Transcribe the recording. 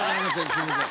すいません。